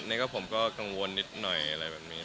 นี่ก็ผมก็กังวลนิดหน่อยอะไรแบบนี้